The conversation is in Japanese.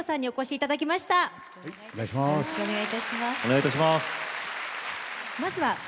お願いいたします。